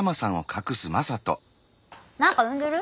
何か産んでる？